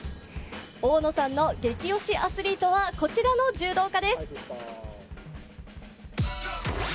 大野さんの激推しアスリートはこちらの柔道家です。